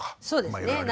そうですね。